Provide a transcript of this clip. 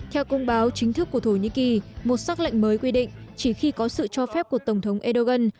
theo công báo chính thức của thổ nhĩ kỳ một sắc lệnh mới quy định chỉ khi có sự cho phép của tổng thống erdogan